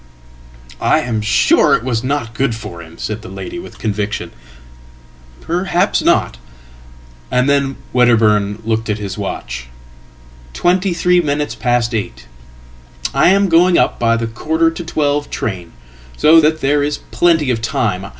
""I am sure it was not good for him," said the lady with conviction."Perhaps not." And then Wedderburn looked at his watch. "Twenty threeminutes past eight. I am going up by the quarter to twelve train, so thatthere is plenty of time.